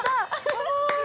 「すごい！」